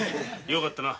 よかったな。